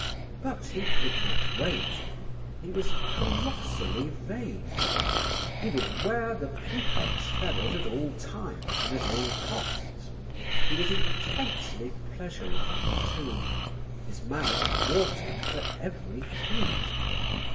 But he could not wait; he was colossally vain; he would wear the peacock's feathers at all times and all costs: he was intensely pleasure loving, too; his mouth watered for every fruit.